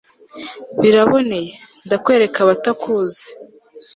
biraboneye, ndakwereka abatakuzi